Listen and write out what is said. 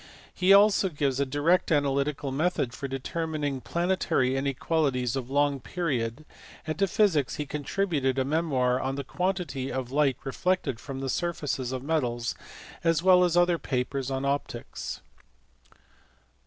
He also gave a direct analytical method for determining planetary inequalities of long period ; and to physics he contributed a memoir on the quantity of light reflected from the surfaces of metals, as well as other papers on optics.